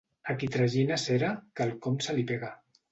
A qui tragina cera quelcom se li pega.